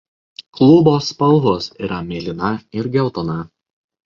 Klubo spalvos yra mėlyna ir geltona.